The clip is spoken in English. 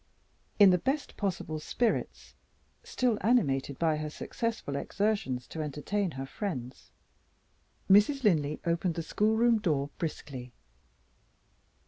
In the best possible spirits still animated by her successful exertions to entertain her friends Mrs. Linley opened the schoolroom door briskly.